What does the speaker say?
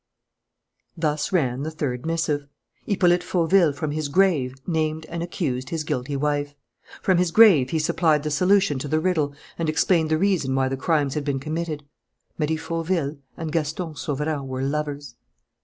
Thus ran the third missive. Hippolyte Fauville from his grave named and accused his guilty wife. From his grave he supplied the solution to the riddle and explained the reason why the crimes had been committed: Marie Fauville and Gaston Sauverand were lovers.